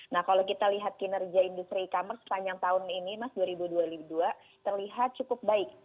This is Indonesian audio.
nah kalau kita lihat kinerja industri e commerce sepanjang tahun ini mas dua ribu dua puluh dua terlihat cukup baik